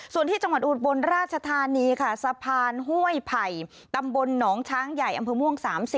ส่วนที่จังหวัดอุบลราชธานีค่ะสะพานห้วยไผ่ตำบลหนองช้างใหญ่อำเภอม่วง๓๐